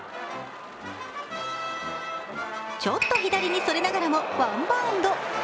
ちょっと左にそれながらもワンバウンド。